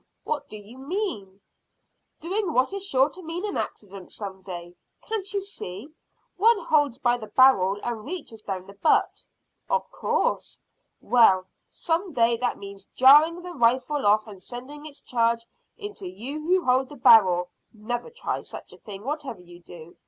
What do you mean?" "Doing what is sure to mean an accident some day. Can't you see, one holds by the barrel and reaches down the butt?" "Of course." "Well, some day that means jarring the rifle off and sending its charge into you who hold the barrel. Never try such a thing, whatever you do.